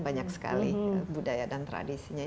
banyak sekali budaya dan tradisinya